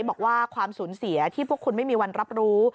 บอกว่าความสูญเสียที่พวกคุณไม่มีวันรับรู้